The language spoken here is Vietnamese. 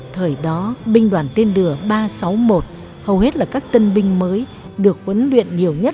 thời đó binh đoàn tên lửa ba trăm sáu mươi một hầu hết là các tân binh mới được huấn luyện nhiều nhất